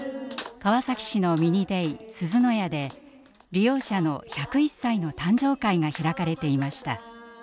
川崎市のミニデイ「すずの家」で利用者の１０１歳の誕生会が開かれていました。